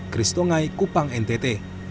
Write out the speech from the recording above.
kristongai kupang ntt